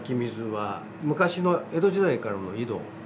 昔の江戸時代からの井戸。